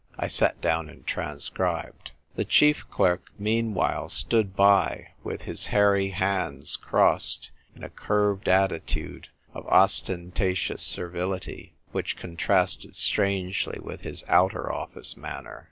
I sat down and transcribed. The chief clerk meanwhile stood by, with his hairy hands crossed in a curved attitude of ostentatious servility, which contrasted strangely with his Outer Office manner.